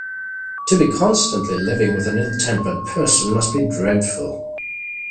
To be constantly living with an ill-tempered person, must be dreadful.